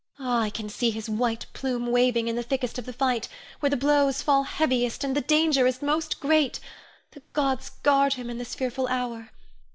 Ah, I can see his white plume waving in the thickest of the fight, where the blows fall heaviest and the danger is most great. The gods guard him in this fearful hour!